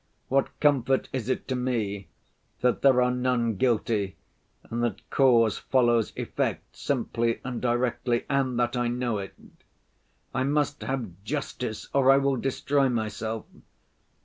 What comfort is it to me that there are none guilty and that cause follows effect simply and directly, and that I know it?—I must have justice, or I will destroy myself.